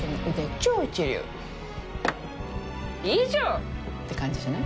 超一流以上！って感じじゃない？